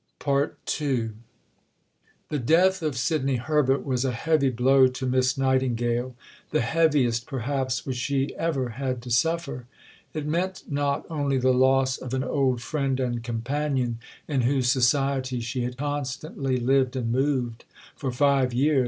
II The death of Sidney Herbert was a heavy blow to Miss Nightingale the heaviest, perhaps, which she ever had to suffer. It meant not only the loss of an old friend and companion, in whose society she had constantly lived and moved for five years.